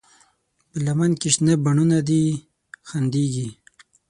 په لمن کې شنه بڼوڼه دي خندېږي